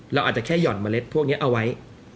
เราอาจจะแค่ห่อนเมล็ดพวกนี้เอาไว้